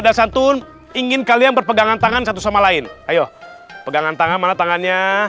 ada santun ingin kalian berpegangan tangan satu sama lain ayo pegangan tangan mana tangannya